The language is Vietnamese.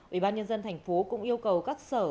ubnd tp cũng yêu cầu các sở